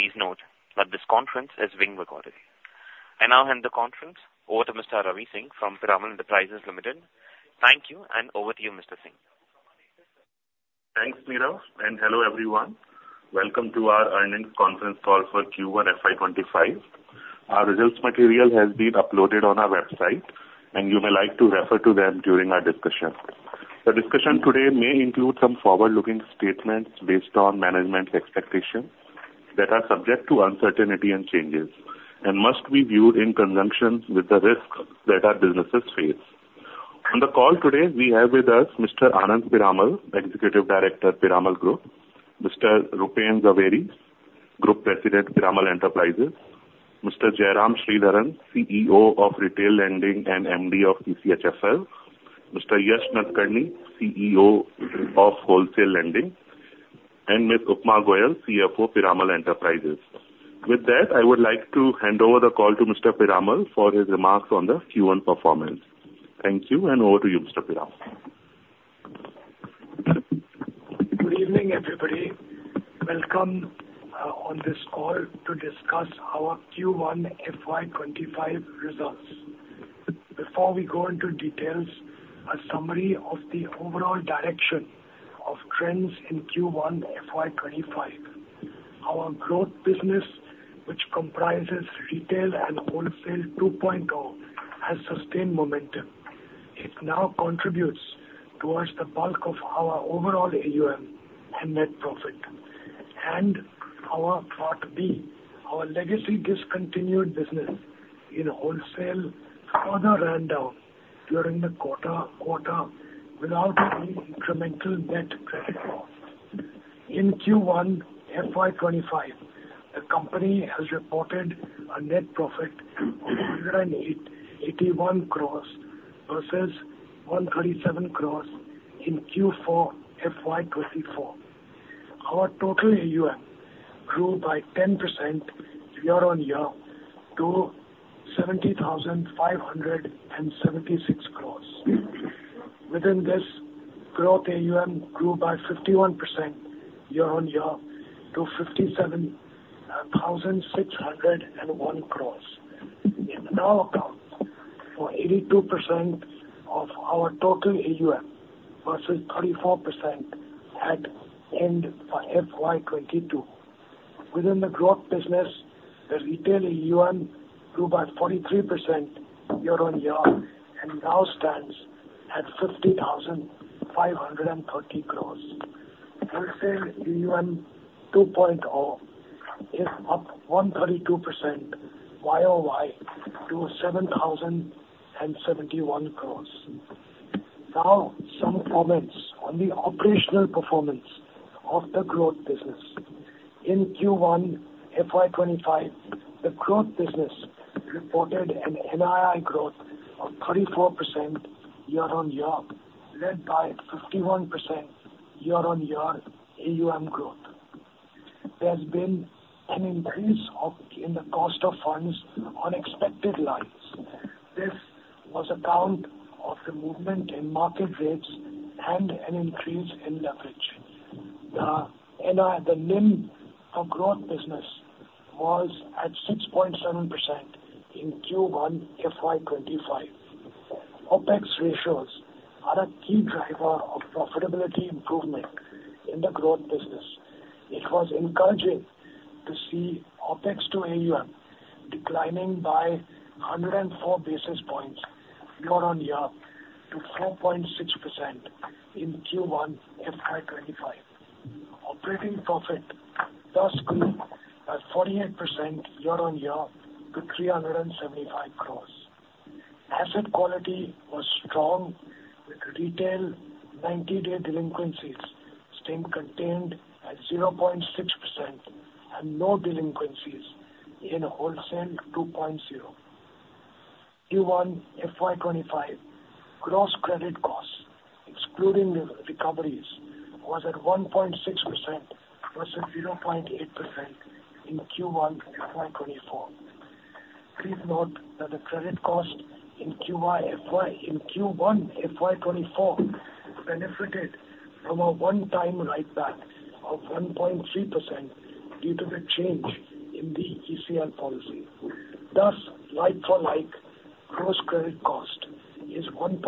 Please note that this conference is being recorded. I now hand the conference over to Mr. Ravi Singh from Piramal Enterprises Limited. Thank you, and over to you, Mr. Singh. Thanks, Neerav, and hello, everyone. Welcome to our Earnings Conference Call for Q1 FY 2025. Our results material has been uploaded on our website, and you may like to refer to them during our discussion. The discussion today may include some forward-looking statements based on management expectations that are subject to uncertainty and changes, and must be viewed in conjunction with the risks that our businesses face. On the call today, we have with us Mr. Anand Piramal, Executive Director, Piramal Group, Mr. Rupen Jhaveri, Group President, Piramal Enterprises, Mr. Jairam Sridharan, CEO of Retail Lending and MD of PCHFL, Mr. Yesh Nadkarni, CEO of Wholesale Lending, and Ms. Upma Goel, CFO, Piramal Enterprises. With that, I would like to hand over the call to Mr. Piramal for his remarks on the Q1 performance. Thank you, and over to you, Mr. Piramal. Good evening, everybody. Welcome on this call to discuss our Q1 FY 2025 results. Before we go into details, a summary of the overall direction of trends in Q1 FY 2025. Our growth business, which comprises retail and Wholesale 2.0, has sustained momentum. It now contributes towards the bulk of our overall AUM and net profit. Our Part B, our legacy discontinued business in wholesale, further ran down during the quarter without any incremental net credit cost. In Q1 FY 2025, the company has reported a net profit of 181 crores versus 137 crores in Q4 FY 2024. Our total AUM grew by 10% year-on-year to 70,576 crores. Within this, growth AUM grew by 51% year-on-year to INR 57,601 crore, and now account for 82% of our total AUM versus 34% at end of FY 2022. Within the growth business, the retail AUM grew by 43% year-on-year, and now stands at 50,530 crore. Wholesale AUM 2.0 is up 132% Y-o-Y to 7,071 crore. Now, some comments on the operational performance of the growth business. In Q1 FY 2025, the growth business reported an NII growth of 34% year-on-year, led by 51% year-on-year AUM growth. There's been an increase in the cost of funds on expected lines. This was on account of the movement in market rates and an increase in leverage. The NII, the NIM for growth business was at 6.7% in Q1 FY2025. OpEx ratios are a key driver of profitability improvement in the growth business. It was encouraging to see OpEx to AUM declining by 104 basis points year-on-year to 4.6% in Q1 FY2025. Operating profit thus grew 48% year-on-year to 375 crores. Asset quality was strong, with retail ninety-day delinquencies staying contained at 0.6% and no delinquencies in Wholesale 2.0. Q1 FY 2025, gross credit costs, excluding the recoveries, was at 1.6% versus 0.8% in Q1 FY 2024. Please note that the credit cost in Q1 FY 2024, benefited from a one-time write-back of 1.3% due to the change in the ECL policy. Thus, like-for-like, gross credit cost is 1.6%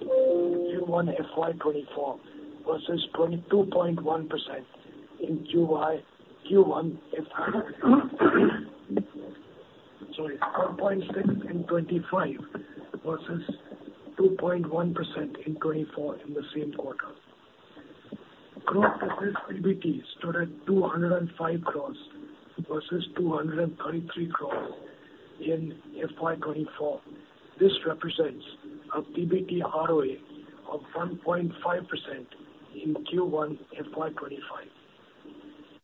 Q1 FY 2024, versus 22.1% in Q1 FY... Sorry, 1.6% in 2025 versus 2.1% in 2024 in the same quarter. Growth business PBT stood at 205 crore versus 233 crore in FY 2024. This represents a PBT ROE of 1.5% in Q1 FY 2025.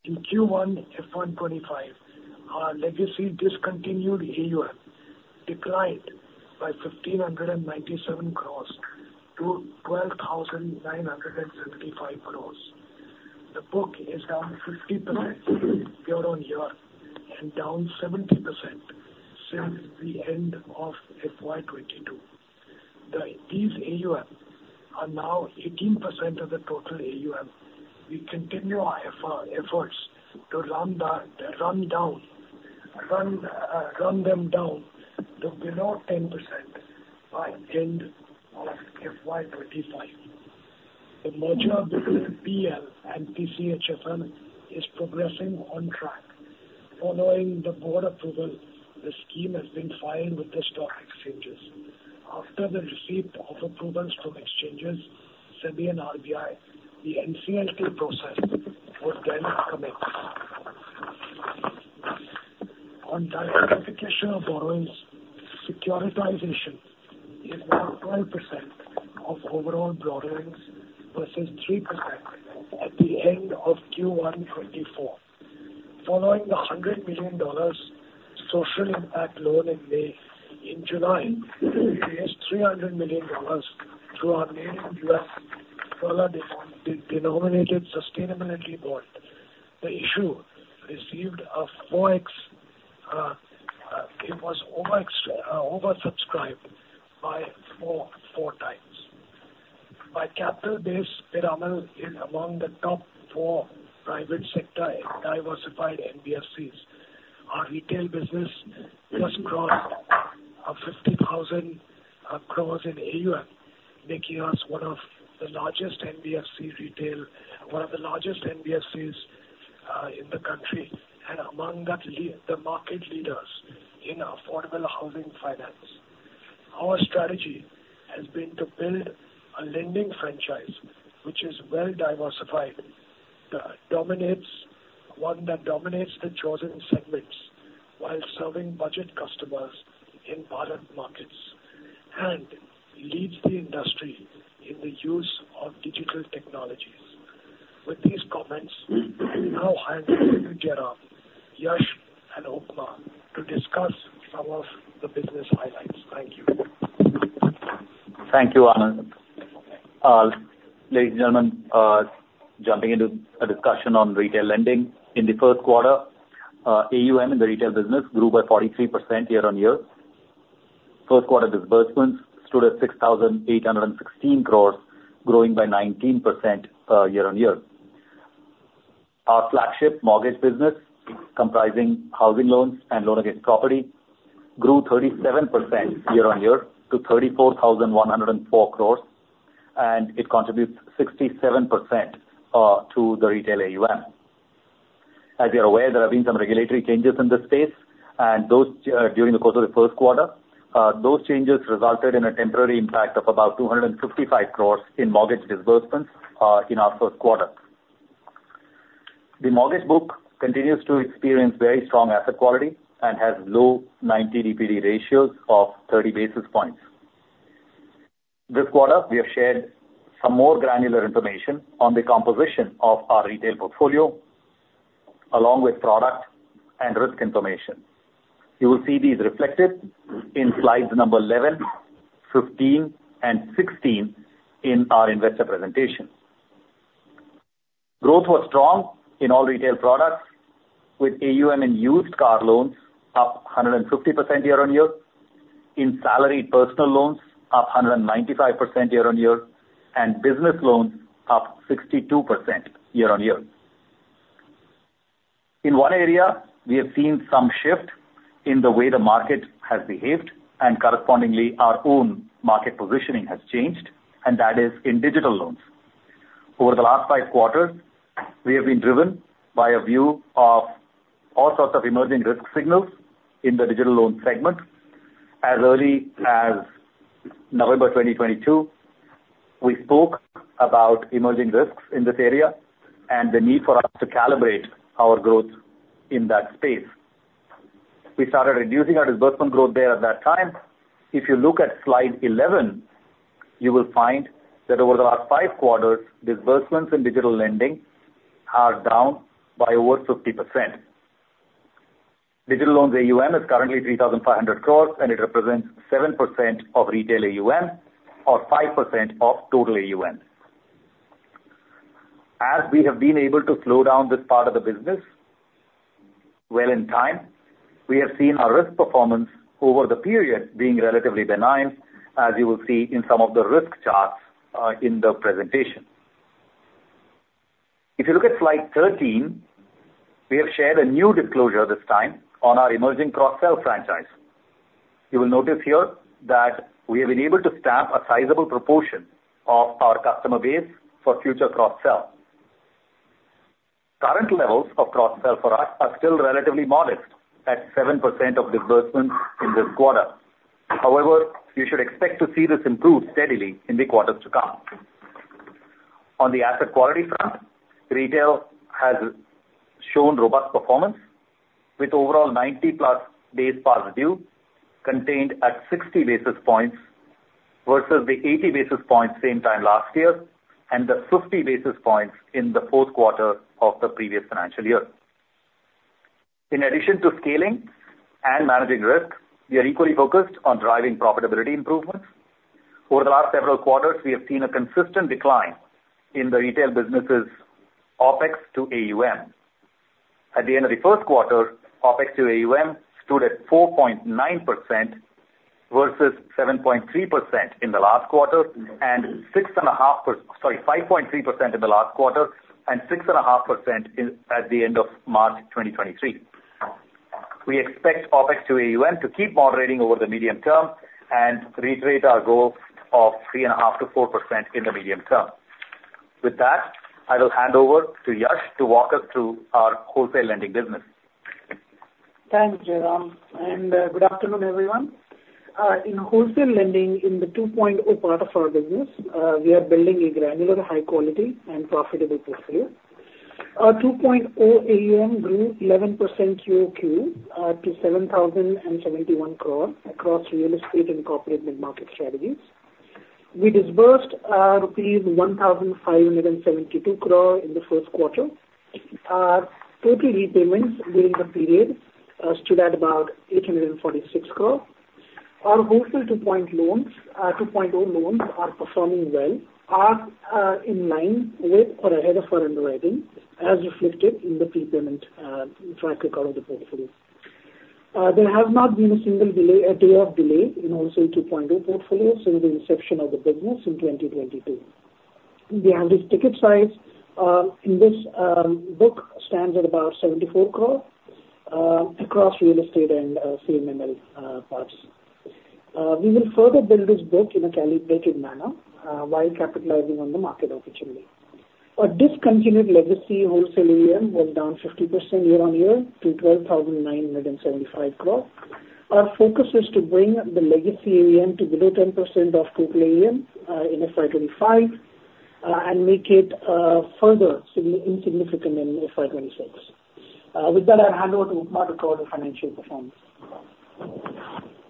In Q1 FY 2025, our legacy discontinued AUM declined by 1,597 crore to 12,975 crore. The book is down 50% year-on-year and down 70% since the end of FY 2022. These AUM are now 18% of the total AUM. We continue our efforts to run them down to below 10% by end of FY 2025. The merger between PL and PCHFL is progressing on track. Following the board approval, the scheme has been filed with the stock exchanges. After the receipt of approvals from exchanges, SEBI and RBI, the NCLT process would then commence. On diversification of borrowings, securitization is now 12% of overall borrowings, versus 3% at the end of Q1 2024. Following the $100 million social impact loan in May, in July, we raised $300 million through our maiden U.S. dollar denominated sustainability bond. The issue received a 4x, it was oversubscribed by four times. By capital base, Piramal is among the top four private sector diversified NBFCs. Our retail business just crossed 50,000 crore in AUM, making us one of the largest NBFC retail, one of the largest NBFCs, in the country, and among the the market leaders in affordable housing finance. Our strategy has been to build a lending franchise, which is well diversified, that dominates... one that dominates the chosen segments, while serving budget customers in broader markets and leads the industry in the use of digital technologies. With these comments, I now hand over to Jairam, Yash, and Upma to discuss some of the business highlights. Thank you. Thank you, Anand. Ladies and gentlemen, jumping into a discussion on retail lending. In the first quarter, AUM in the retail business grew by 43% year-on-year. Q1 disbursements stood at 6,816 crores, growing by 19% year-on-year. Our flagship mortgage business, comprising housing loans and loan against property, grew 37% year-on-year to 34,104 crores, and it contributes 67% to the retail AUM. As you're aware, there have been some regulatory changes in this space, and those during the course of the Q1. Those changes resulted in a temporary impact of about 255 crores in mortgage disbursements in our Q1. The mortgage book continues to experience very strong asset quality and has low 90 DPD ratios of 30 basis points. This quarter, we have shared some more granular information on the composition of our retail portfolio, along with product and risk information. You will see these reflected in slides number 11, 15, and 16 in our investor presentation. Growth was strong in all retail products, with AUM and used car loans up 150% year-on-year, in salaried personal loans up 195% year-on-year, and business loans up 62% year-on-year. In one area, we have seen some shift in the way the market has behaved, and correspondingly, our own market positioning has changed, and that is in digital loans. Over the last five quarters, we have been driven by a view of all sorts of emerging risk signals in the digital loan segment. As early as November 2022, we spoke about emerging risks in this area and the need for us to calibrate our growth in that space. We started reducing our disbursement growth there at that time. If you look at slide 11, you will find that over the last five quarters, disbursements in digital lending are down by over 50%. Digital loans AUM is currently 3,500 crores, and it represents 7% of retail AUM or 5% of total AUM. As we have been able to slow down this part of the business well in time, we have seen our risk performance over the period being relatively benign, as you will see in some of the risk charts in the presentation. If you look at slide 13, we have shared a new disclosure this time on our emerging cross-sell franchise. You will notice here that we have been able to stamp a sizable proportion of our customer base for future cross-sell. Current levels of cross-sell for us are still relatively modest, at 7% of disbursements in this quarter. However, you should expect to see this improve steadily in the quarters to come. On the asset quality front, retail has shown robust performance, with overall 90+ days past due, contained at 60 basis points versus the 80 basis points same time last year, and the 50 basis points in the Q4 of the previous financial year. In addition to scaling and managing risk, we are equally focused on driving profitability improvements. Over the last several quarters, we have seen a consistent decline in the retail business's OpEx to AUM. At the end of the Q1, OpEx to AUM stood at 4.9% versus 7.3% in the last quarter, and 5.3% in the last quarter, and 6.5% at the end of March 2023. We expect OpEx to AUM to keep moderating over the medium term and reiterate our goal of 3.5% to 4% in the medium term. With that, I will hand over to Yash to walk us through our wholesale lending business. Thanks, Jairam, and good afternoon, everyone. In wholesale lending, in the 2.0 part of our business, we are building a granular, high quality and profitable portfolio. Our 2.0 AUM grew 11% QoQ to 7,071 crore across real estate and corporate mid-market strategies. We disbursed rupees 1,572 crore in the Q1. Our total repayments during the period stood at about 846 crore. Our Wholesale 2.0 loans, 2.0 loans are performing well, are in line with or ahead of our underwriting, as reflected in the prepayment track record of the portfolio. There has not been a single delay, a day of delay in Wholesale 2.0 portfolio since the inception of the business in 2022. The average ticket size in this book stands at about 74 crore across real estate and CMML parts. We will further build this book in a calibrated manner while capitalizing on the market opportunity. Our discontinued legacy wholesale AUM was down 50% year-on-year to 12,975 crore. Our focus is to bring the legacy AUM to below 10% of total AUM in FY 2025 and make it further insignificant in FY 2026. With that, I'll hand over to Upma for the financial performance.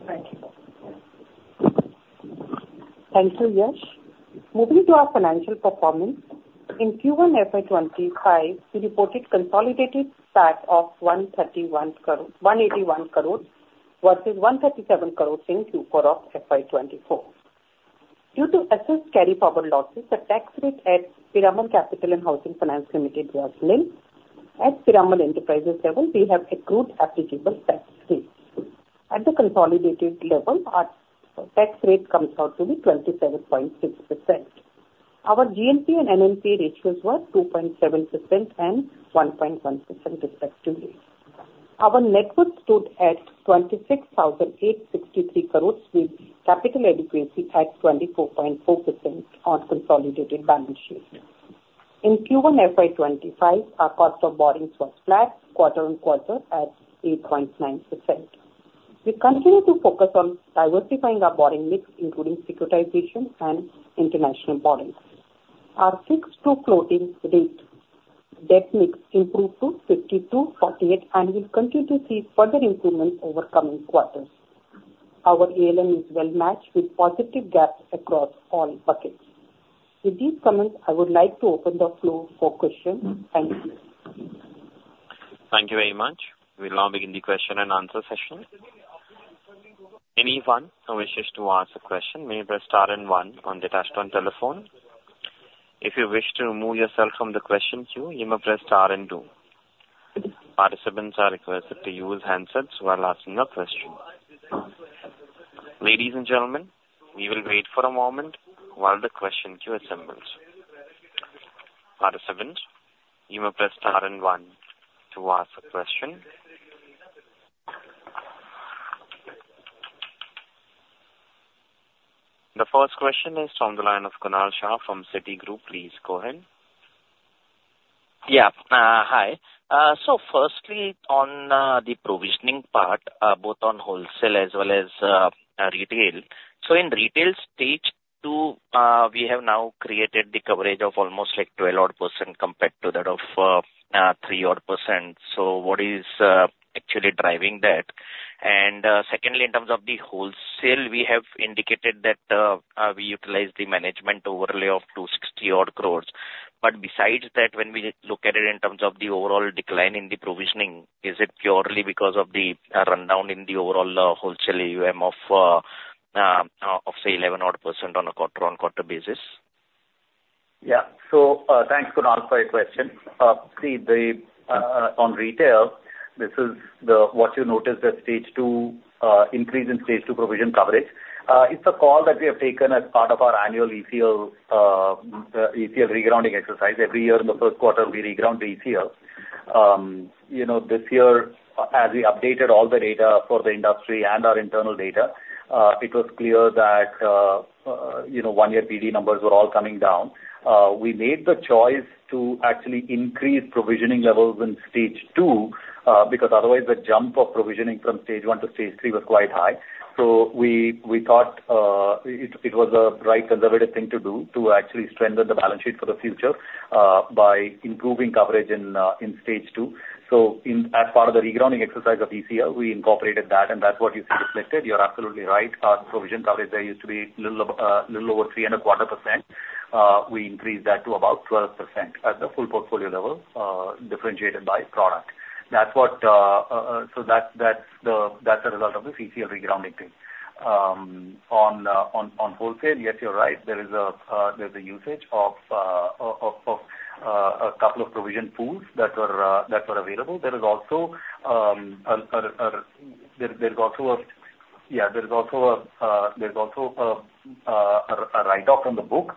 Thank you. Thank you, Yash. Moving to our financial performance. In Q1 FY 2025, we reported consolidated tax of 131 crore, 181 crore versus 137 crore in Q4 of FY 2024. Due to assessed carry forward losses, the tax rate at Piramal Capital and Housing Finance Limited was nil. At Piramal Enterprises level, we have accrued applicable tax rates. At the consolidated level, our tax rate comes out to be 27.6%. Our GNPA and NNPA ratios were 2.7% and 1.1% respectively. Our net worth stood at 26,863 crore, with capital adequacy at 24.4% on consolidated balance sheet. In Q1 FY 2025, our cost of borrowings was flat, quarter-on-quarter at 8.9%. We continue to focus on diversifying our borrowing mix, including securitization and international borrowings. Our fixed to floating rate debt mix improved to 52-48, and we'll continue to see further improvements over coming quarters. Our ALM is well matched with positive gaps across all buckets. With these comments, I would like to open the floor for questions. Thank you. Thank you very much. We'll now begin the question and answer session. Anyone who wishes to ask a question may press star and one on their touchtone telephone. If you wish to remove yourself from the question queue, you may press star and two. Participants are requested to use handsets while asking a question. Ladies and gentlemen, we will wait for a moment while the question queue assembles. Participants, you may press star and one to ask a question. The first question is from the line of Kunal Shah from Citigroup. Please go ahead. Yeah, hi. So firstly, on the provisioning part, both on wholesale as well as retail. So in retail Stage 2, we have now created the coverage of almost like 12% compared to that of 3%. So what is actually driving that? And secondly, in terms of the wholesale, we have indicated that we utilize the management overlay of 260 crore. But besides that, when we look at it in terms of the overall decline in the provisioning, is it purely because of the rundown in the overall wholesale AUM of say 11% on a quarter-on-quarter basis? Yeah. So, thanks, Kunal, for your question. See the on retail, this is the... What you noticed at Stage Two, increase in Stage Two provision coverage. It's a call that we have taken as part of our annual ECL, ECL re-grounding exercise. Every year in the Q1, we reground the ECL. You know, this year, as we updated all the data for the industry and our internal data, it was clear that, you know, one-year PD numbers were all coming down. We made the choice to actually increase provisioning levels in Stage Two, because otherwise the jump of provisioning from Stage One to Stage Three was quite high. So we thought it was a right conservative thing to do, to actually strengthen the balance sheet for the future, by improving coverage in Stage Two. So, as part of the re-grounding exercise of ECL, we incorporated that, and that's what you see reflected. You're absolutely right. Our provision coverage there used to be a little over 3.25%. We increased that to about 12% at the full portfolio level, differentiated by product. That's what so that that's the that's the result of the ECL re-grounding thing. On wholesale, yes, you're right. There is a usage of a couple of provision pools that were available. There is also there's also a... Yeah, there is also a, there's also a, a write-off on the book,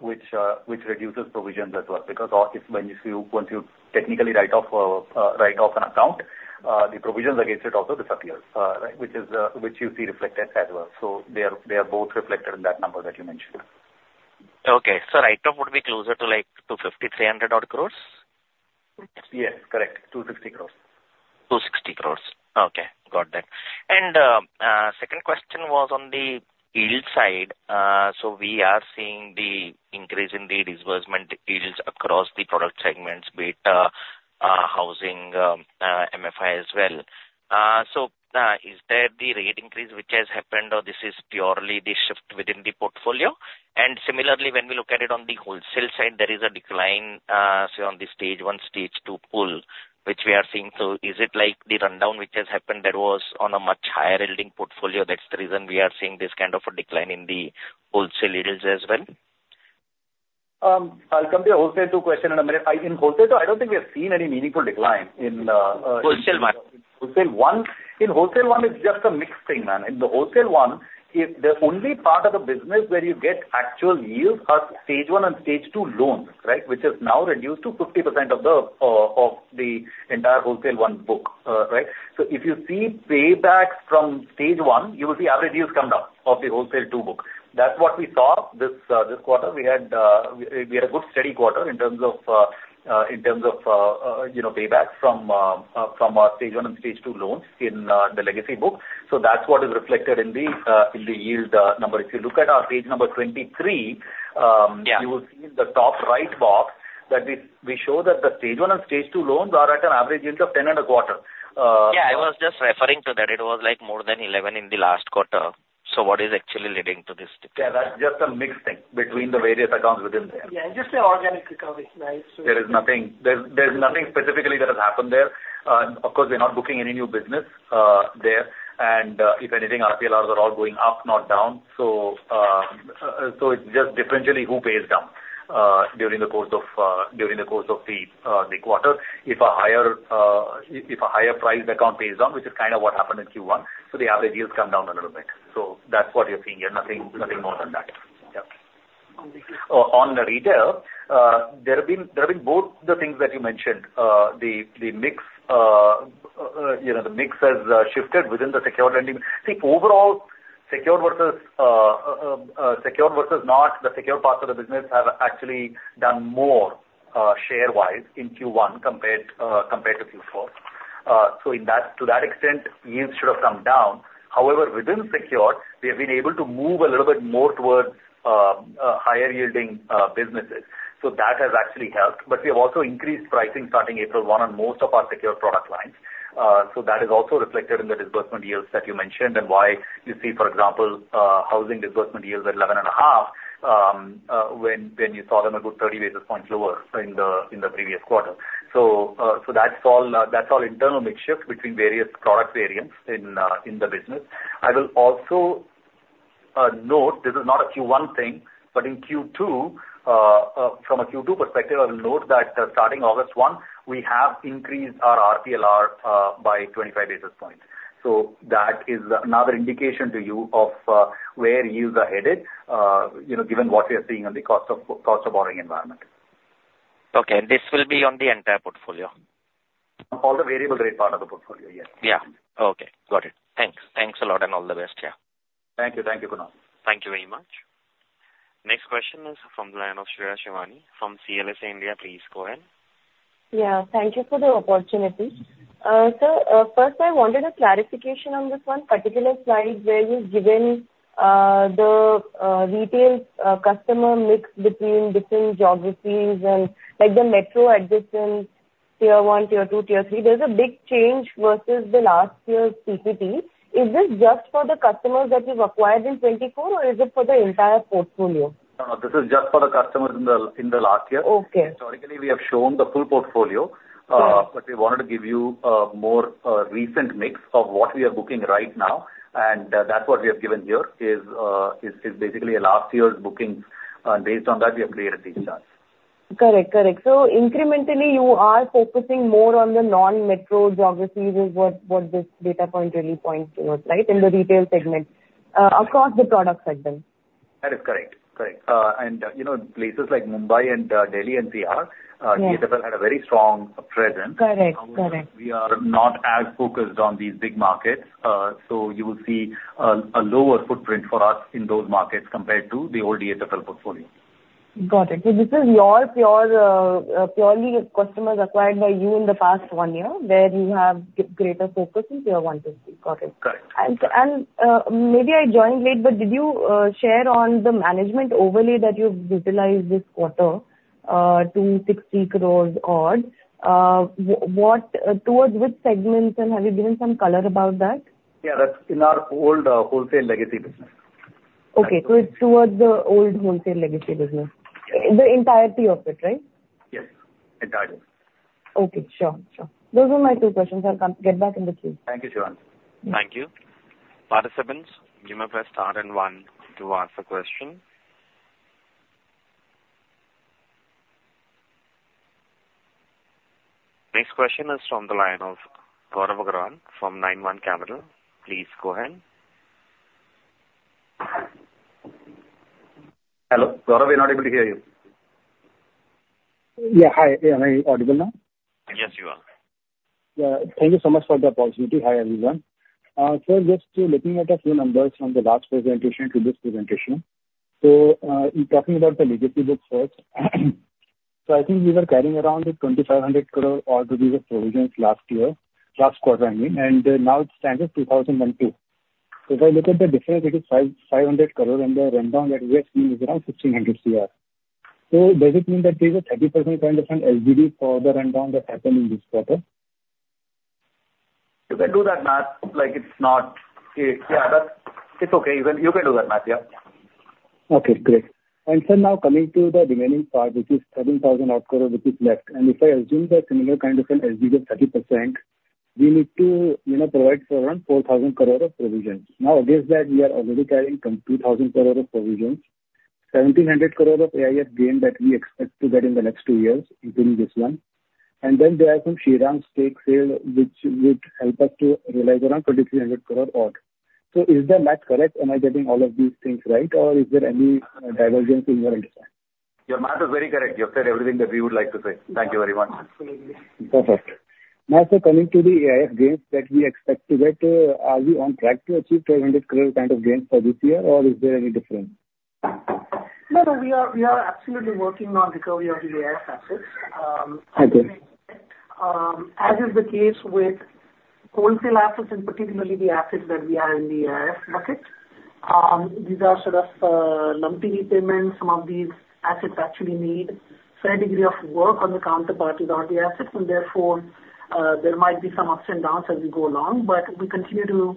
which, which reduces provisions as well. Because all, if when you, once you technically write off a, write off an account, the provisions against it also disappears, right? Which is, which you see reflected as well. So they are, they are both reflected in that number that you mentioned. Okay. So write-off would be closer to, like, 250 to 300 odd crores? Yes, correct. 260 crore. 260 crores. Okay, got that. And, second question was on the yield side. So we are seeing the increase in the disbursement yields across the product segments, be it, housing, MFI as well. So, is that the rate increase which has happened, or this is purely the shift within the portfolio? And similarly, when we look at it on the wholesale side, there is a decline, say, on the stage one, stage two pool, which we are seeing. So is it like the rundown which has happened that was on a much higher yielding portfolio, that's the reason we are seeing this kind of a decline in the wholesale yields as well? I'll come to your wholesale two question in a minute. In wholesale, I don't think we have seen any meaningful decline in, Wholesale one. Wholesale 1.0. In Wholesale 1.0, it's just a mixed thing, man. In the Wholesale 1.0, if the only part of the business where you get actual yields are Stage 1 and Stage 2 loans, right? Which is now reduced to 50% of the entire Wholesale 1.0 book, right? So if you see paybacks from Stage 1, you will see average yields come down of the Wholesale 2.0 book. That's what we saw this quarter. We had a good, steady quarter in terms of you know, paybacks from our Stage 1 and Stage 2 loans in the legacy book. So that's what is reflected in the yield number. If you look at our page number 23, Yeah. You will see in the top right box that we, we show that the Stage 1 and Stage 2 loans are at an average yield of 10.25. Yeah, I was just referring to that. It was, like, more than 11 in the last quarter. So what is actually leading to this decline? Yeah, that's just a mixing between the various accounts within there. Yeah, just an organic recovery, right, so. There is nothing... There's nothing specifically that has happened there. Of course, we're not booking any new business there, and if anything, RPLRs are all going up, not down. So, it's just differentially who pays down during the course of the quarter. If a higher priced account pays down, which is kind of what happened in Q1, so the average deals come down a little bit. So that's what you're seeing here, nothing, nothing more than that. Yeah. On the retail- On the retail, there have been both the things that you mentioned. The mix, you know, the mix has shifted within the secured lending. See, overall, secured versus secured versus not, the secured parts of the business have actually done more, share-wise in Q1 compared to Q4. So in that, to that extent, yields should have come down. However, within secured, we have been able to move a little bit more towards higher yielding businesses. So that has actually helped. But we have also increased pricing starting April 1 on most of our secured product lines. So that is also reflected in the disbursement yields that you mentioned, and why you see, for example, housing disbursement yields at 11.5, when you saw them a good 30 basis points lower in the previous quarter. So, so that's all, that's all internal mix shift between various product variants in the business. I will also note, this is not a Q1 thing, but in Q2, from a Q2 perspective, I will note that, starting August 1, we have increased our RPLR by 25 basis points. So that is another indication to you of where yields are headed, you know, given what we are seeing on the cost of, cost of borrowing environment. Okay, this will be on the entire portfolio? All the variable rate part of the portfolio, yes. Yeah. Okay, got it. Thanks. Thanks a lot, and all the best. Yeah. Thank you. Thank you, Kunal. Thank you very much. Next question is from the line of Shreya Shivani from CLSA India. Please go ahead. Yeah, thank you for the opportunity. So, first I wanted a clarification on this one particular slide where you've given the retail customer mix between different geographies and like the metro adjacent tier one, tier two, tier three. There's a big change versus the last year's PPT. Is this just for the customers that you've acquired in 2024, or is it for the entire portfolio? No, this is just for the customers in the, in the last year. Okay. Historically, we have shown the full portfolio- Uh. But we wanted to give you a more recent mix of what we are booking right now, and that's what we have given here is basically last year's bookings. Based on that, we have created these charts. Correct. Correct. So incrementally, you are focusing more on the non-metro geographies is what, what this data point really points towards, right? In the retail segment, across the product segment. That is correct. Correct. And you know, places like Mumbai and Delhi NCR- Yeah. DHFL had a very strong presence. Correct. Correct. We are not as focused on these big markets, so you will see a lower footprint for us in those markets compared to the old DHFL portfolio. Got it. So this is your purely customers acquired by you in the past one year, where you have greater focus in tier 1 to 3. Got it. Correct. Maybe I joined late, but did you share on the management overlay that you've utilized this quarter, 260 crore odds? What towards which segments, and have you given some color about that? Yeah, that's in our old wholesale legacy business.... Okay, so it's towards the old wholesale legacy business, eh, the entirety of it, right? Yes, entirety. Okay, sure, sure. Those were my two questions. I'll come get back in the queue. Thank you, Shivani. Thank you. Participants, you may press star and one to ask a question. Next question is from the line of Gaurav Agrawal from Nine One Capital. Please go ahead. Hello, Gaurav, we're not able to hear you. Yeah, hi. Am I audible now? Yes, you are. Thank you so much for the possibility. Hi, everyone. So just looking at a few numbers from the last presentation to this presentation. So, in talking about the legacy book first, so I think we were carrying around 2,500 crore or to the provisions last year, last quarter, I mean, and now it stands at 2,002. So if I look at the difference, it is 550 crore, and the rundown that we are seeing is around 1,600 crore. So does it mean that there's a 30% kind of an LGD for the rundown that happened in this quarter? You can do that math, like it's not. It, yeah, that's, it's okay. You can, you can do that math, yeah. Okay, great. So now coming to the remaining part, which is 17,000 odd crore, which is left, and if I assume that similar kind of an LGD of 30%, we need to, you know, provide for around 4,000 crore of provisions. Now, against that, we are already carrying 1,000 crore of provisions, 1,700 crore of AIF gain that we expect to get in the next two years, including this one. And then there are some Shriram stake sale, which would help us to realize around 2,300 odd crore. So is the math correct? Am I getting all of these things right, or is there any divergence in your end? Your math is very correct. You have said everything that we would like to say. Thank you very much. Perfect. Now, so coming to the AIF gains that we expect to get, are we on track to achieve 1,200 crore kind of gains for this year, or is there any difference? No, no, we are, we are absolutely working on the curve of the AIF assets. Okay. As is the case with wholesale assets, and particularly the assets that we are in the AIF bucket, these are sort of lumpy payments. Some of these assets actually need a fair degree of work on the counterparties or the assets, and therefore, there might be some ups and downs as we go along. But we continue to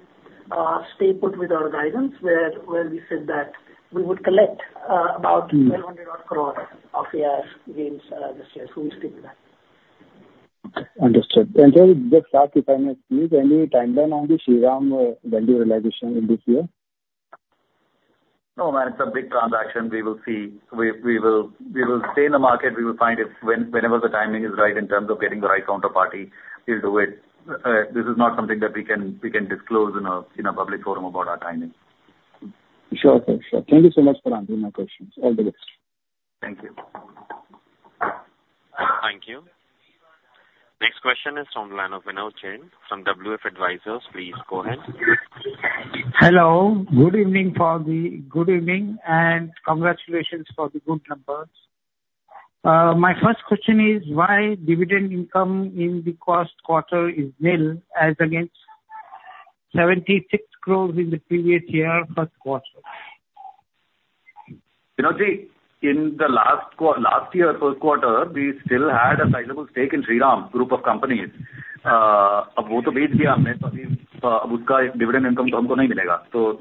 stay put with our guidance, where we said that we would collect about- Mm. 1,200-odd crore of AIF gains this year, so we'll stick with that. Understood. And so just ask, if I may, please, any timeline on the Shriram value realization in this year? No, man, it's a big transaction. We will see. We will stay in the market. We will find if when, whenever the timing is right in terms of getting the right counterparty, we'll do it. This is not something that we can disclose in a public forum about our timing. Sure, sure, sure. Thank you so much for answering my questions. All the best. Thank you. Thank you. Next question is from the line of Vinod Jain from WF Advisors. Please go ahead. Hello, good evening. Good evening, and congratulations for the good numbers. My first question is, why dividend income in the Q1 is nil, as against 76 crore in the previous year, Q1? Vinod Jain, in the last year, Q1, we still had a sizable stake in Shriram Group of companies. So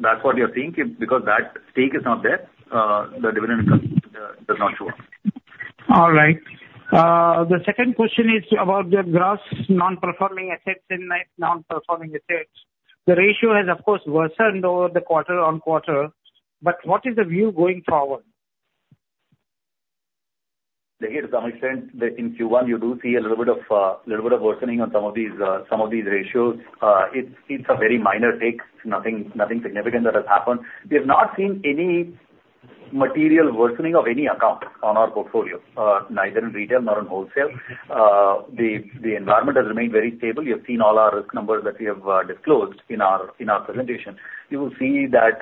that's what you're seeing, because that stake is not there, the dividend does not show up. All right. The second question is about the Gross Non-Performing Assets and Net Non-Performing Assets. The ratio has, of course, worsened over the quarter-on-quarter, but what is the view going forward? ... In Q1, you do see a little bit of worsening on some of these ratios. It's a very minor tick, nothing significant that has happened. We have not seen any material worsening of any account on our portfolio, neither in retail nor in wholesale. The environment has remained very stable. You have seen all our risk numbers that we have disclosed in our presentation. You will see that,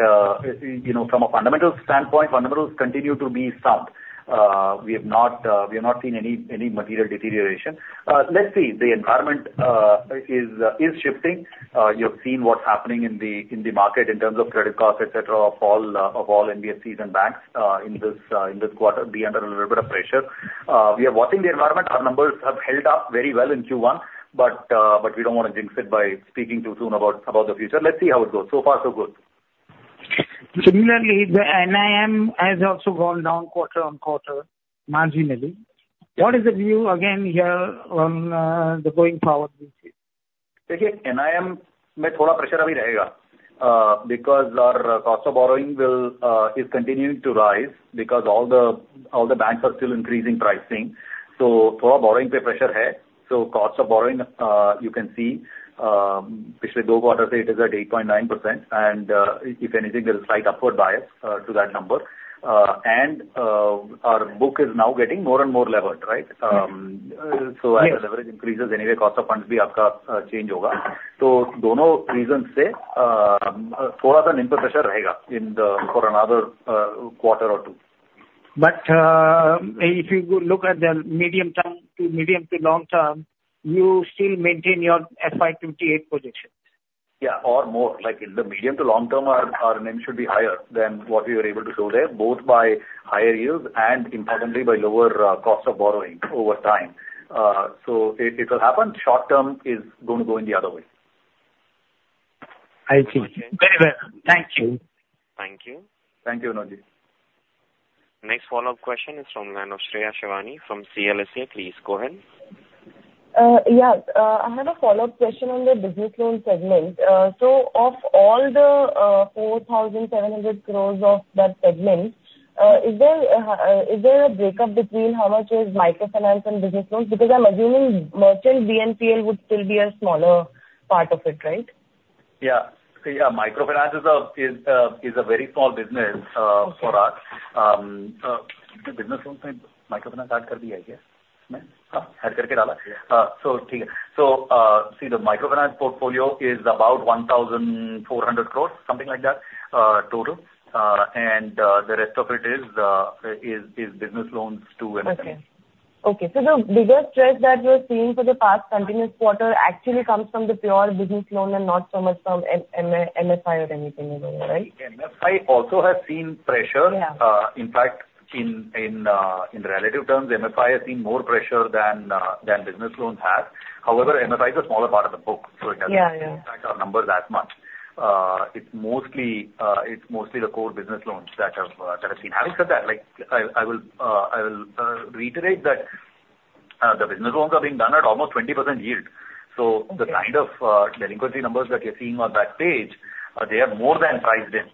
you know, from a fundamental standpoint, fundamentals continue to be sound. We have not seen any material deterioration. Let's see. The environment is shifting. You have seen what's happening in the, in the market in terms of credit costs, et cetera, of all, of all NBFCs and banks, in this, in this quarter, be under a little bit of pressure. We are watching the environment. Our numbers have held up very well in Q1, but, but we don't want to jinx it by speaking too soon about, about the future. Let's see how it goes. So far, so good. Similarly, the NIM has also gone down quarter-on-quarter, marginally. What is the view again here on, the going forward with this?... because our cost of borrowing will, is continuing to rise, because all the, all the banks are still increasing pricing. So, for borrowing, pressure here. So cost of borrowing, you can see, previous two quarters, it is at 8.9%, and, if anything, there is a slight upward bias, to that number. And, our book is now getting more and more levered, right? So- Yes. As the leverage increases, anyway, cost of funds be up, change over. So don't know, reasons say, for other than pressure in the, for another, quarter or two. But, if you go look at the medium term, to medium to long term, you still maintain your FY28 position? Yeah, or more. Like, in the medium to long term, our NIM should be higher than what we were able to show there, both by higher yields and importantly, by lower cost of borrowing over time. So it will happen. Short term is going to go in the other way. I see. Very well. Thank you. Thank you. Thank you, Vinod Jain. Next follow-up question is from the line of Shreya Shivani from CLSA. Please go ahead. Yeah. I have a follow-up question on the business loan segment. So of all the 4,700 crore of that segment, is there a breakup between how much is microfinance and business loans? Because I'm assuming merchant BNPL would still be a smaller part of it, right? Yeah. So, yeah, microfinance is a very small business for us. So, okay. So, see the microfinance portfolio is about 1,400 crore, something like that, total. And the rest of it is business loans to MSMEs. Okay. Okay, so the bigger stress that we're seeing for the past continuous quarter actually comes from the pure business loan and not so much from MFI or anything anymore, right? MFI also has seen pressure. Yeah. In fact, in relative terms, MFI has seen more pressure than business loans have. However, MFI is a smaller part of the book, so it hasn't- Yeah, yeah. impacted our numbers that much. It's mostly the core business loans that have seen... Having said that, like, I will reiterate that the business loans are being done at almost 20% yield. Okay. The kind of delinquency numbers that you're seeing on that page, they are more than priced in,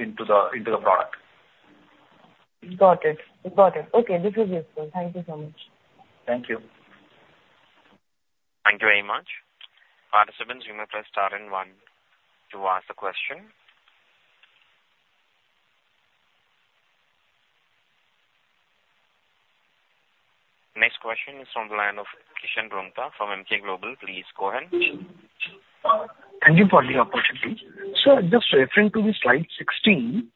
into the, into the product. Got it. Got it. Okay, this is useful. Thank you so much. Thank you. Thank you very much. Participants, you may press star and one to ask the question. Next question is from the line of Kishan Rungta from Emkay Global. Please go ahead. Thank you for the opportunity. So just referring to the slide 16,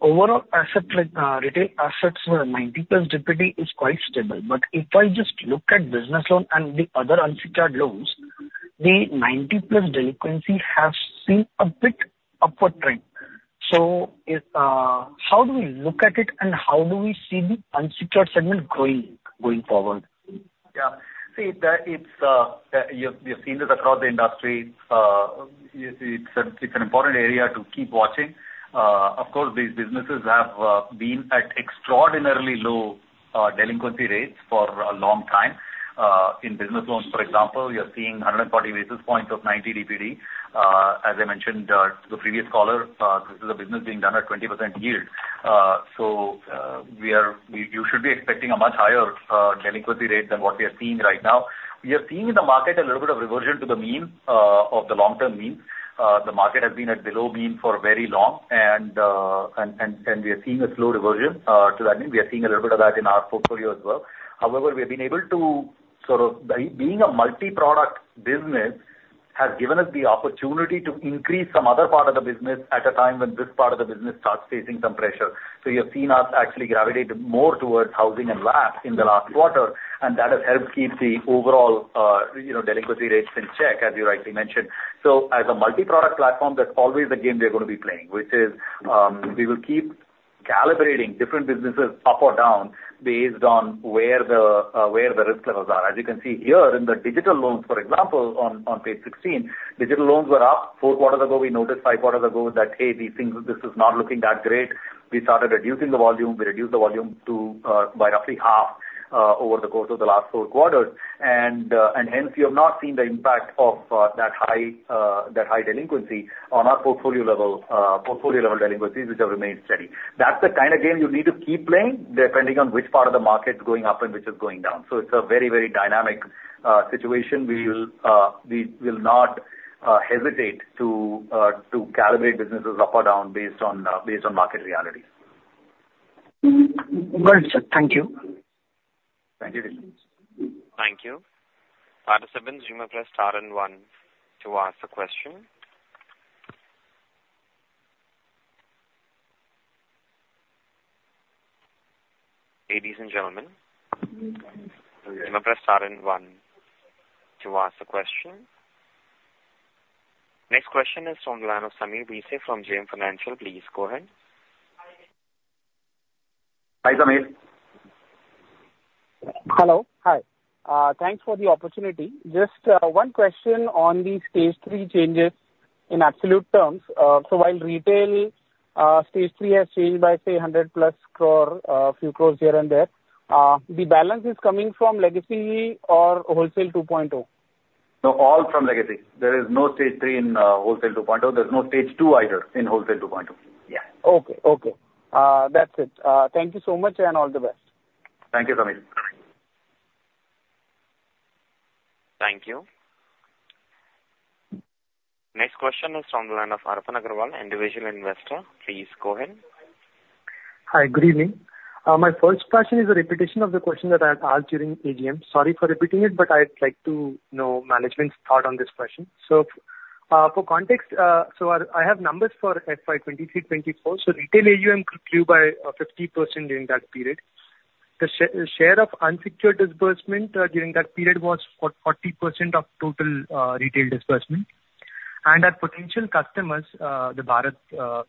overall asset, retail assets, 90+ DPD is quite stable. But if I just look at business loans and the other unsecured loans, the 90+ delinquency has seen a bit upward trend. So, how do we look at it, and how do we see the unsecured segment growing going forward? Yeah. See, that it's, you've seen this across the industry. It's an important area to keep watching. Of course, these businesses have been at extraordinarily low delinquency rates for a long time. In business loans, for example, we are seeing 140 basis points of 90 DPD. As I mentioned to the previous caller, this is a business being done at 20% yield. So, we are, you should be expecting a much higher delinquency rate than what we are seeing right now. We are seeing in the market a little bit of reversion to the mean of the long-term mean. The market has been at below mean for very long, and we are seeing a slow reversion to that mean. We are seeing a little bit of that in our portfolio as well. However, we have been able to, sort of, by being a multi-product business, has given us the opportunity to increase some other part of the business at a time when this part of the business starts facing some pressure. So you have seen us actually gravitate more towards housing and LAPs in the last quarter, and that has helped keep the overall, you know, delinquency rates in check, as you rightly mentioned. So as a multi-product platform, that's always the game we are going to be playing, which is, we will keep calibrating different businesses up or down based on where the, where the risk levels are. As you can see here in the digital loans, for example, on page 16, digital loans were up. Four quarters ago, we noticed, five quarters ago, that, hey, these things, this is not looking that great. We started reducing the volume. We reduced the volume to, by roughly half, over the course of the last four quarters. And, and hence you have not seen the impact of, that high, that high delinquency on our portfolio level, portfolio level delinquencies, which have remained steady. That's the kind of game you need to keep playing, depending on which part of the market is going up and which is going down. So it's a very, very dynamic, situation. We will, we will not, hesitate to, to calibrate businesses up or down, based on, based on market reality. Got it, sir. Thank you. Thank you. Thank you. Participants, you may press star and one to ask the question. Ladies and gentlemen, you may press star and one to ask the question. Next question is from the line of Sameer Bhise from JM Financial. Please go ahead. Hi, Sameer. Hello, hi. Thanks for the opportunity. Just one question on the Stage 3 changes in absolute terms. So while retail Stage 3 has changed by, say, 100+ crore, a few crores here and there, the balance is coming from legacy or Wholesale 2.0? No, all from legacy. There is no stage three in wholesale two point oh. There's no stage two either in wholesale two point oh. Yeah. Okay, okay. That's it. Thank you so much, and all the best. Thank you, Sameer. Thank you. Next question is from the line of Arpan Agarwal, individual investor. Please go ahead. Hi, good evening. My first question is a repetition of the question that I had asked during AGM. Sorry for repeating it, but I'd like to know management's thought on this question. So, for context, so I, I have numbers for FY 2023, 2024. So retail AUM grew by 50% during that period. The share of unsecured disbursement during that period was for 40% of total retail disbursement. And our potential customers, the Bharat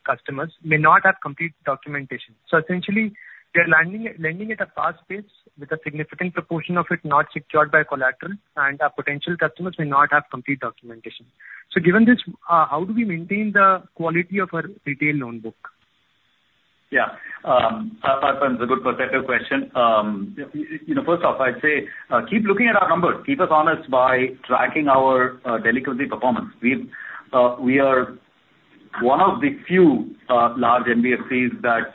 customers, may not have complete documentation. So essentially, we are lending at a fast pace with a significant proportion of it not secured by collateral, and our potential customers may not have complete documentation. So given this, how do we maintain the quality of our retail loan book? ... Yeah, that's a good perspective question. You know, first off, I'd say, keep looking at our numbers. Keep us honest by tracking our delinquency performance. We are one of the few large NBFCs that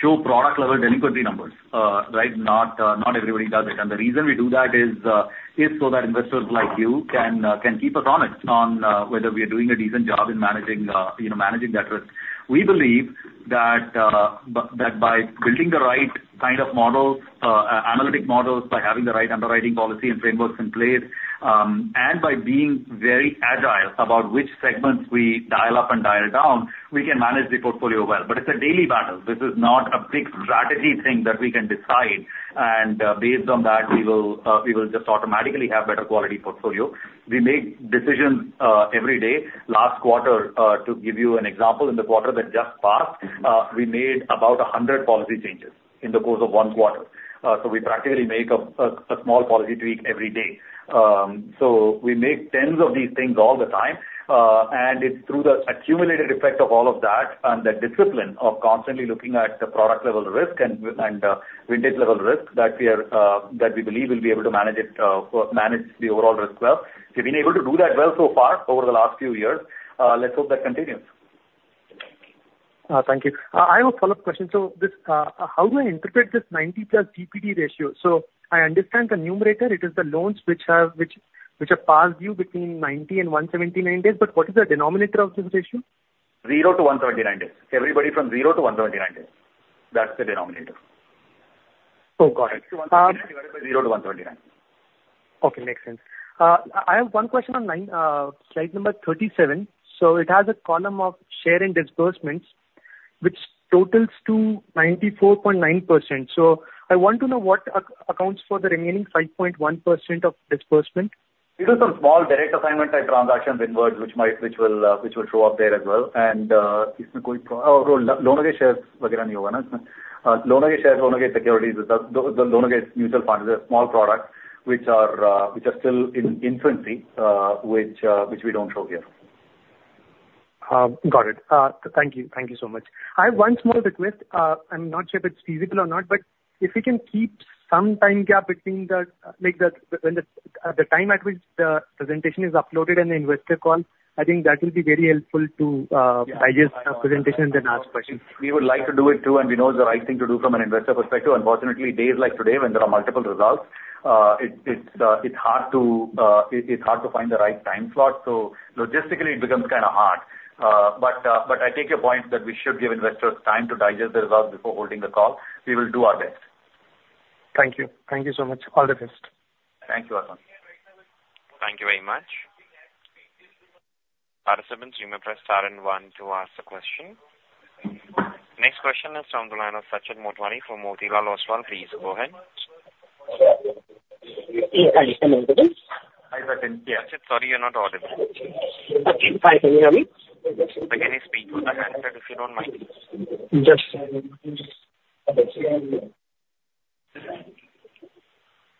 show product-level delinquency numbers, right? Not, not everybody does it. And the reason we do that is so that investors like you can keep us honest on whether we are doing a decent job in managing, you know, managing that risk. We believe that by building the right kind of models, analytic models, by having the right underwriting policy and frameworks in place, and by being very agile about which segments we dial up and dial down, we can manage the portfolio well. But it's a daily battle. This is not a big strategy thing that we can decide, and, based on that, we will, we will just automatically have better quality portfolio. We make decisions, every day. Last quarter, to give you an example, in the quarter that just passed, we made about 100 policy changes in the course of one quarter. So we practically make a small policy tweak every day. So we make tens of these things all the time, and it's through the accumulated effect of all of that and the discipline of constantly looking at the product-level risk and, vintage-level risk, that we are, that we believe we'll be able to manage it, manage the overall risk well. We've been able to do that well so far over the last few years. Let's hope that continues. Thank you. I have a follow-up question. So this, how do I interpret this 90+ DPD ratio? So I understand the numerator, it is the loans which are past due between 90 and 179 days, but what is the denominator of this ratio? 0 to 179 days. Everybody from 0 to 179 days. That's the denominator. Oh, got it. Divided by 0-179. Okay, makes sense. I have one question on 9, slide number 37. So it has a column of share and disbursements, which totals to 94.9%. So I want to know what accounts for the remaining 5.1% of disbursement? These are some small direct assignment type transactions inward, which might, which will, which will show up there as well. And, Loan shares, loan shares, loan against securities, the loan against mutual funds are small products which are still in infancy, which we don't show here. Got it. Thank you. Thank you so much. I have one small request. I'm not sure if it's feasible or not, but if we can keep some time gap between the time at which the presentation is uploaded and the investor call, I think that will be very helpful to Yeah. Digest the presentation, then ask questions. We would like to do it, too, and we know it's the right thing to do from an investor perspective. Unfortunately, days like today, when there are multiple results, it's hard to find the right time slot, so logistically it becomes kind of hard. But I take your point that we should give investors time to digest the results before holding the call. We will do our best. Thank you. Thank you so much. All the best. Thank you, Arpan Agarwal. Thank you very much. Participants, you may press star and one to ask the question. Next question is from the line of Sachit Motwani from Motilal Oswal. Please go ahead. Hi, Sachin. Hi, Sachit. Sorry, you're not audible. Okay, fine. Can you hear me? Again, speak with the handset, if you don't mind. Just...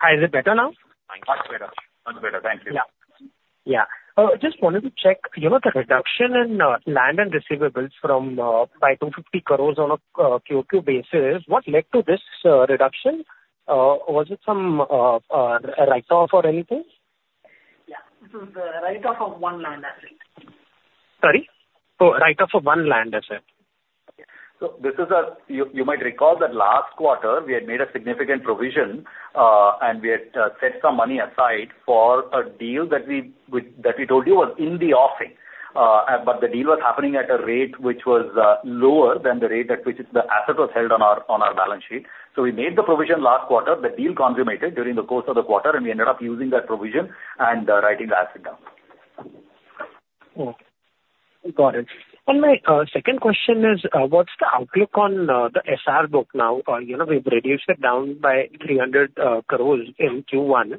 Hi, is it better now? Much better. Much better. Thank you. Yeah. Yeah. Just wanted to check, you know, the reduction in land and receivables from by 250 crore on a QoQ basis. What led to this reduction? Was it some write-off or anything? Yeah. This is the write-off of one land asset. Sorry? So write-off of one land asset. So this is a. You might recall that last quarter we had made a significant provision, and we had set some money aside for a deal that we told you was in the offing. But the deal was happening at a rate which was lower than the rate at which the asset was held on our balance sheet. So we made the provision last quarter. The deal consummated during the course of the quarter, and we ended up using that provision and writing the asset down. Okay, got it. And my second question is, what's the outlook on the SR book now? You know, we've reduced it down by 300 crore in Q1.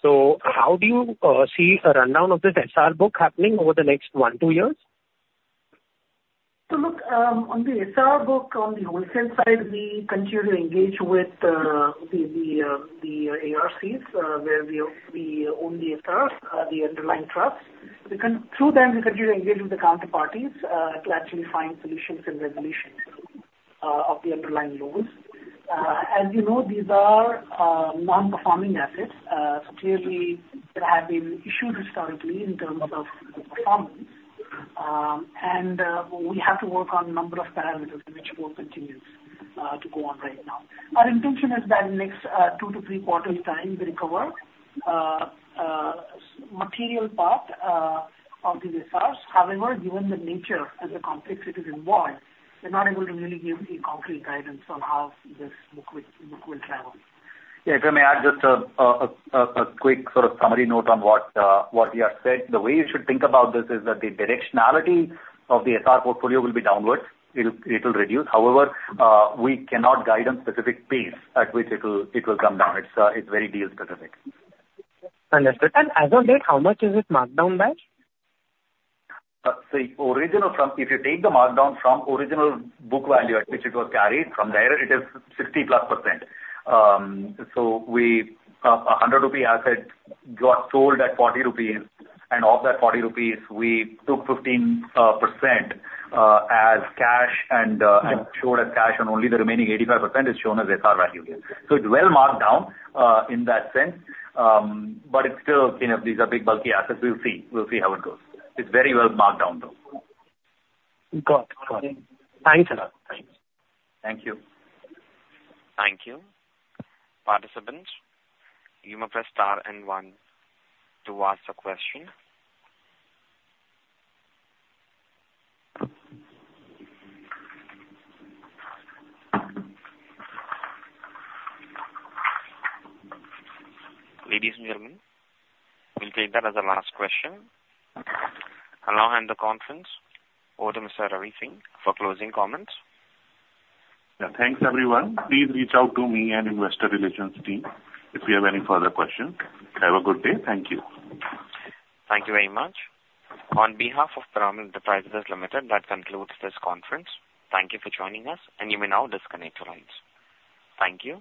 So how do you see a rundown of this SR book happening over the next one, two years? So look, on the SR book, on the wholesale side, we continue to engage with the ARCs, where we own the SRs, the underlying trusts. We, through them, continue to engage with the counterparties to actually find solutions and resolutions of the underlying loans. As you know, these are non-performing assets, so clearly there have been issues historically in terms of performance. And we have to work on a number of parameters, which work continues to go on right now. Our intention is that in the next two to three quarters' time, we recover material part of the SRs. However, given the nature and the complexity involved, we're not able to really give any concrete guidance on how this book will travel. Yeah, if I may add just a quick sort of summary note on what you have said. The way you should think about this is that the directionality of the SR portfolio will be downwards. It'll reduce. However, we cannot guide on specific pace at which it'll come down. It's very deal specific. Understood. As of date, how much is it marked down by? If you take the markdown from original book value at which it was carried, from there, it is 60%+ . So we, a 100 rupee asset got sold at 40 rupees, and of that 40 rupees, we took 15% as cash and and showed as cash, and only the remaining 85% is shown as SR value here. So it's well marked down in that sense. But it's still, you know, these are big, bulky assets. We'll see. We'll see how it goes. It's very well marked down, though. Got it. Got it. Thanks a lot. Thanks. Thank you. Thank you. Participants, you may press star and one to ask a question. Ladies and gentlemen, we'll take that as a last question. I'll now hand the conference over to Mr. Ravi Singh for closing comments. Yeah. Thanks, everyone. Please reach out to me and Investor Relations team if you have any further questions. Have a good day. Thank you. Thank you very much. On behalf of Piramal Enterprises Limited, that concludes this conference. Thank you for joining us, and you may now disconnect your lines. Thank you.